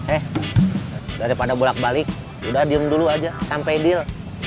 eh daripada bolak balik udah diem dulu aja sampai deal